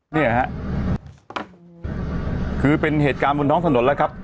เนี่ยฮะคือเป็นเหตุการณ์บนท้องถนนแล้วครับ